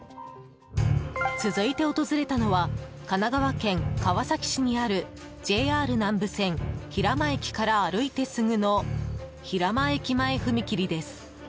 続いて訪れたのは神奈川県川崎市にあるＪＲ南武線平間駅から歩いてすぐの平間駅前踏切です。